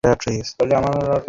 দাঁত ভেঙে দেব।